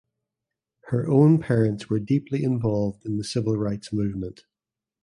Her own parents were deeply involved in the civil rights movement.